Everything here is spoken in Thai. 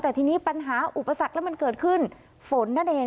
แต่ทีนี้ปัญหาอุปสรรคแล้วมันเกิดขึ้นฝนนั่นเอง